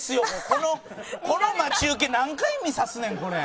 このこの待ち受け何回見さすねんこれ。